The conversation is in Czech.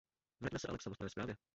Vraťme se ale k samotné zprávě.